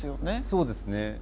そうですね。